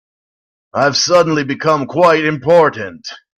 I've suddenly become quite important.